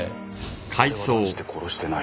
「俺は断じて殺してない」